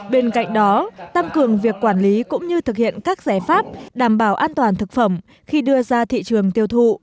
bên cạnh đó tăng cường việc quản lý cũng như thực hiện các giải pháp đảm bảo an toàn thực phẩm khi đưa ra thị trường tiêu thụ